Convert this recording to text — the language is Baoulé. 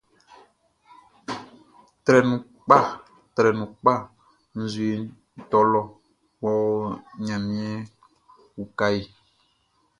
Trɛ nu pka trɛ nu pka nʼzue nʼtôlô yôhô, gnamien o kahé.